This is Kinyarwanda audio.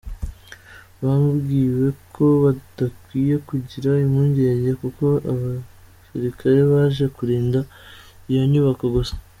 Babwiwe ko ‘badakwiye kugira impungenge’ kuko abasirikare baje kurinda iyo nyubako gusa.